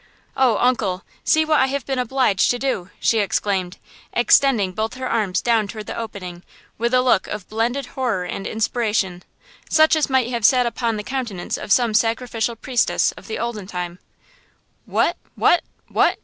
"Oh, uncle, see what I have been obliged to do!" she exclaimed, extending both her arms down toward the opening with a look of blended horror and inspiration, such as might have sat upon the countenance of some sacrificial priestess of the olden time. "What–what–what!"